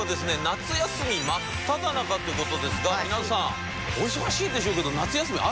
夏休み真っただ中という事ですが皆さんお忙しいでしょうけど。